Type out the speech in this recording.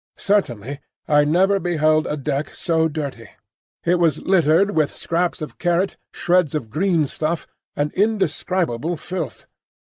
Certainly I never beheld a deck so dirty. It was littered with scraps of carrot, shreds of green stuff, and indescribable filth.